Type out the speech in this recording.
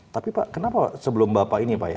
tapi kenapa sebelum bapak ini